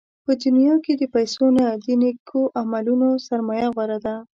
په دنیا کې د پیسو نه، د نېکو عملونو سرمایه غوره ده.